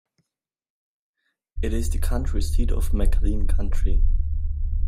It is the county seat of McLean County.